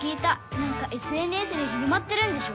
なんかＳＮＳで広まってるんでしょ？